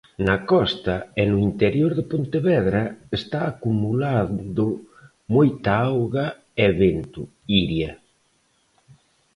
Na costa e no interior de Pontevedra está acumulando moita auga e vento, Iria.